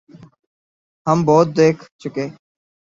ہم بہت دیکھ چکے۔